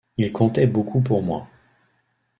Il comptait beaucoup pour moi.